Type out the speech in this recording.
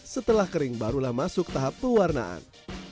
setelah kering barulah masuk tahap pewarnaan